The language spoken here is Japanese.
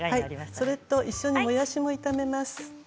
それと一緒にもやしも炒めます。